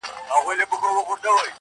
وزرماتي زاڼي ګرځي آشیانه له کومه راوړو!